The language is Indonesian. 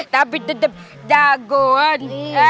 tapi tetep jagoan